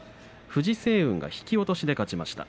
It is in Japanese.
藤青雲が引き落としで勝ちました。